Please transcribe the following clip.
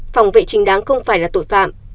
phòng vệ chính đáng không phải là tội phạm